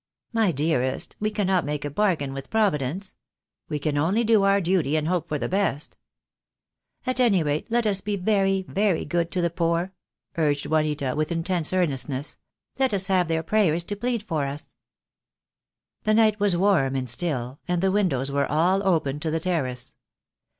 "My dearest, we cannot make a bargain with Pro vidence. We can only do our duty, and hope for the best." THE DAY WILL COME. 75 "At any rate, let us be very — very good to the poor," urged Juanita, with intense earnestness, "let us have their prayers to plead for us." The night was warm and still, and the windows were all open to the terrace.